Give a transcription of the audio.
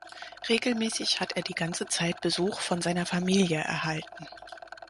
Regelmäßig hat er die ganze Zeit Besuch von seiner Familie erhalten.